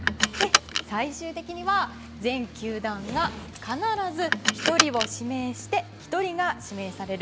最終的には全球団が必ず１人を指名して１人が指名される。